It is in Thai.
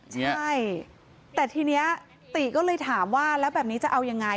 ใช่แต่ทีนี้ติก็เลยถามว่าแล้วแบบนี้จะเอายังไง